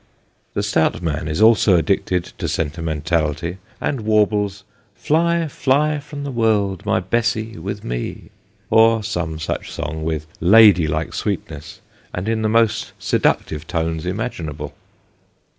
The stout man is also addicted to sentimentality, and warbles, " Fly, fly from the world, my Bessy, with me," or some such song, with ladylike sweetness, and in the most seductive tones imaginable.